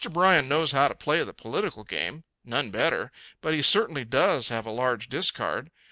Bryan knows how to play the political game none better; but he certainly does have a large discard.